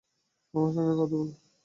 আমার সঙ্গে কথা বলো।